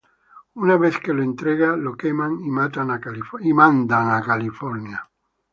Una vez que lo entrega, lo queman y matan a California.